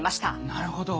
なるほど。